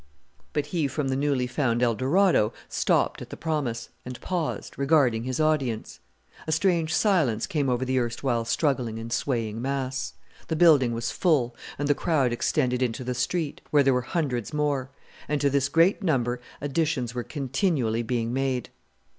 But he from the newly found Eldorado stopped at the promise, and paused, regarding his audience. A strange silence came over the erstwhile struggling and swaying mass. The building was full, and the crowd extended into the street, where there were hundreds more; and to this great number additions were continually being made.